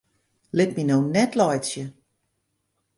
Lit my no net laitsje!